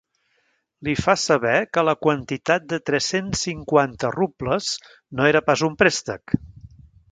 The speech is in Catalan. Li fa saber que la quantitat de tres-cents cinquanta rubles no era pas un préstec.